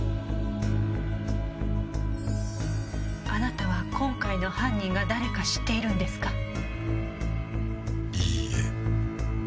あなたは今回の犯人が誰か知っているんですか？